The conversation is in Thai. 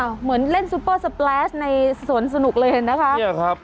เหมือนเล่นซุปเปอร์สแปรสในสวนสนุกเลยเห็นนะคะเนี่ยครับ